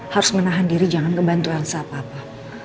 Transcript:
harus menahan diri jangan ngebantu elsa apa apa